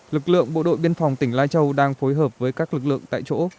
lực lượng bộ đội biên phòng tỉnh lai châu đang phối hợp với các lực lượng tại chỗ